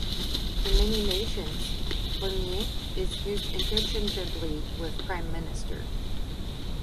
In many nations, "premier" is used interchangeably with "prime minister".